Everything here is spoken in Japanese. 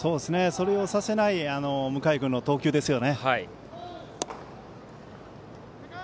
それをさせない向井君の投球ですよね。